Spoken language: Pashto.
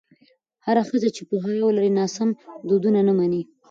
هره ښځه چې پوهاوی ولري، ناسم دودونه نه مني.